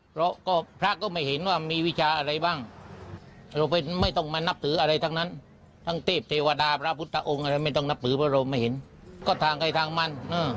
เพราะก็พระก็ไม่เห็นว่ามีวิชาอะไรบ้างเราไม่ต้องมานับถืออะไรทั้งนั้นทั้งเทพเทวดาพระพุทธองค์อะไรไม่ต้องนับถือพระรมให้เห็นก็ทางใครทางมัน